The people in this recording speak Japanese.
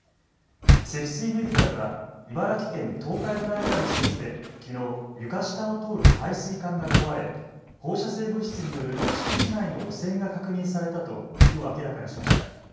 積水メディカルは茨城県東海村にある施設で、きのう床下を通る配水管が壊れ放射性物質による敷地内の汚染が確認されたときょう明らかにしました。